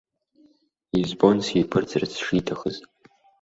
Избон сиԥырҵыр шиҭахыз.